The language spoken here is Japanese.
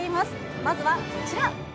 まずは、こちら。